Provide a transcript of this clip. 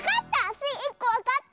スイ１こわかった！